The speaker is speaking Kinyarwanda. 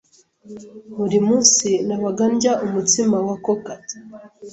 Buri munsi nabaga ndya umutsima wa cocout.